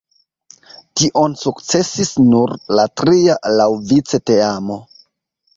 Tion sukcesis nur la tria laŭvice teamo.